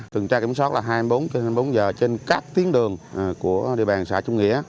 tuần tra kiểm soát là hai mươi bốn trên hai mươi bốn giờ trên các tiến đường của địa bàn xã trung nghĩa